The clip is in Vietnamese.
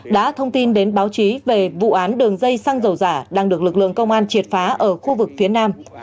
đã thông tin đến báo chí về vụ án đường dây xăng dầu giả đang được lực lượng công an triệt phá ở khu vực phía nam